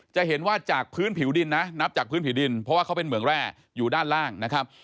จะเห็นว่าจากพื้นผิวดินนะนับจากพื้นผิวดินเพราะว่าเขาเป็นเหมืองแร่อยู่ด้านล่างนะครับ